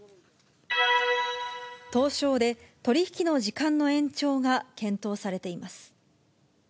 東証で取り引きの時間の延長が検討されています。